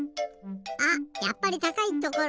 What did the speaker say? あっやっぱりたかいところ！